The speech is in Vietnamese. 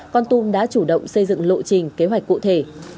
con tum đã chủ động xây dựng lộ trình kế hoạch cụ thể